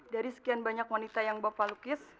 dari sekian banyak wanita yang bapak lukis